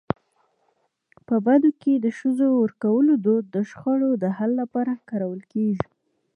په بدو کي د ښځو ورکولو دود د شخړو د حل لپاره کارول کيږي.